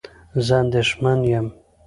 زه اندېښمن یم